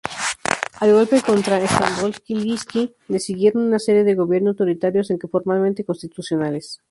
Al golpe contra Stamboliski le siguieron una serie de Gobierno autoritarios aunque formalmente constitucionales.